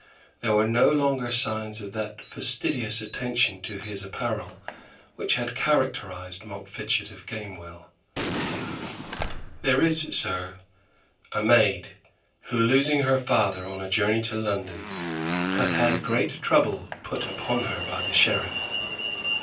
There were no longer signs of that fastidious attention to his apparel which had characterized Montfichet of Gamewell. "There is, sir, a maid who, losing her father on a journey to London, hath had great trouble put upon her by the Sheriff.